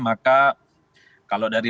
maka kalau dari